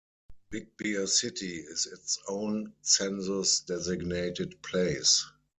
Big Bear City is its own census-designated place.